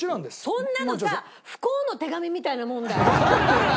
そんなのさ不幸の手紙みたいなもんだよ。